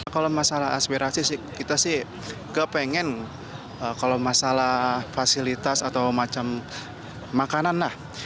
kalau masalah aspirasi sih kita sih gak pengen kalau masalah fasilitas atau macam makanan lah